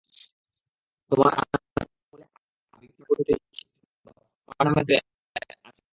তোমার আঙুলে আঁকা, বিক্ষিপ্ত কাটাকুটিতে চিত্রিত, আমার নামের মতোই আমি এখন আছি।